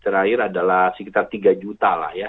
terakhir adalah sekitar tiga juta